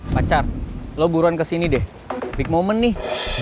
pacar lo buruan kesini deh peak moment nih